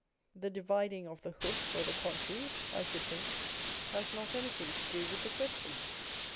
The dividing of the hoof or the contrary, I should think, has not anything to do with the question.